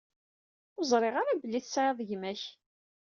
Ur ẓṛiɣ ara belli tesɛiḍ gma-k.